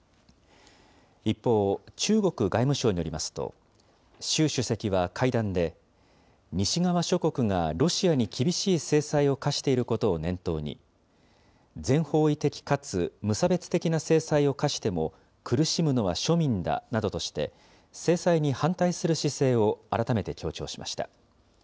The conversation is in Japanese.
一方、中国外務省によりますと、習主席は会談で、西側諸国がロシアに厳しい制裁を科していることを念頭に、全方位的かつ無差別的な制裁を科しても、苦しむのは庶民だなどとして、制裁に反対する姿勢を改めて強調しました。